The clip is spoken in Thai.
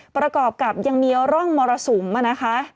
ประกอบกับยังมีร่องมรสุมนะคะ